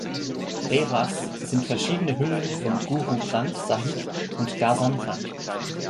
Rehras sind verschiedene Hymnen von Guru Granth Sahib und Dasam Granth.